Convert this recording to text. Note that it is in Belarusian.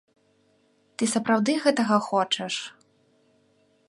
Ты сапраўды гэтага хочаш?